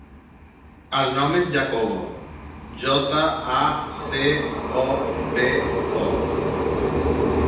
El nom és Jacobo: jota, a, ce, o, be, o.